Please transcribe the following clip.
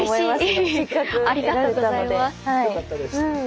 よかったです。